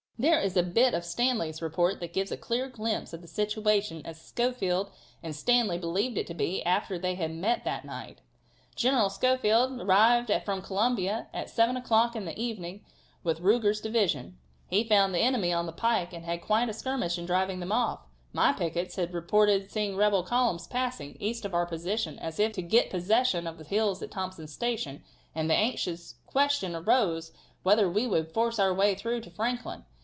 There is a bit of Stanley's report that gives a clear glimpse of the situation as Schofield and Stanley believed it to be after they had met that night: "General Schofield arrived from Columbia at 7 o'clock in the evening with Ruger's division. He found the enemy on the pike and had quite a skirmish in driving them off. My pickets had reported seeing rebel columns passing, east of our position, as if to get possession of the hills at Thompson's Station, and the anxious question arose whether we could force our way through to Franklin.